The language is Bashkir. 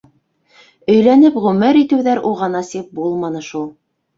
Өйләнеп ғүмер итеүҙәр уға насип булманы шул.